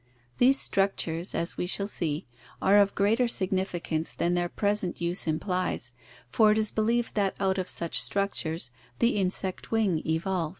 These structures, as we shall see, are of greater significance than their present use implies, for it is believed that out of such structures the insect wing evolved (see page 451).